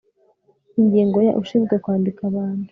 Ingingo ya Ushinzwe kwandika abantu